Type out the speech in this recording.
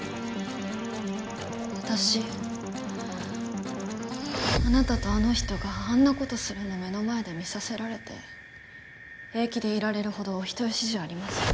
私あなたとあの人があんな事するの目の前で見させられて平気でいられるほどお人よしじゃありません。